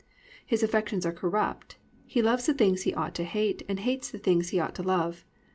His affections are corrupt, he loves the things he ought to hate and hates the things he ought to love.